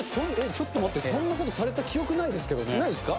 ちょっと待って、そんなことされいないですか？